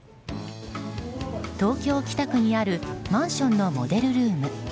東京・北区にあるマンションのモデルルーム。